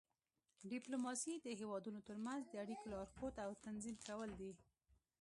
ډیپلوماسي د هیوادونو ترمنځ د اړیکو لارښود او تنظیم کول دي